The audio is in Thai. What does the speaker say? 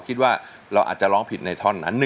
คิดว่าเราอาจจะร้องผิดในท่อนนั้น